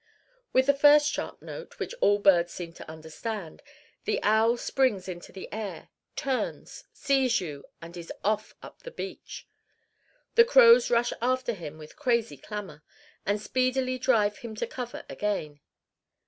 With the first sharp note, which all birds seem to understand, the owl springs into the air, turns, sees you, and is off up the beach. The crows rush after him with crazy clamor, and speedily drive him to cover again.